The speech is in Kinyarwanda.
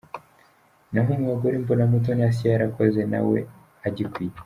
Naho mu bagore mbona Mutoni Assia yarakoze nawe agikwiye.